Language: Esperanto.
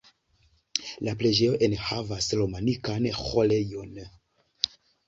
La preĝejo enhavas romanikan Ĥorejon.